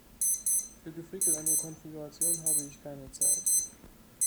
Für Gefrickel an der Konfiguration habe ich keine Zeit.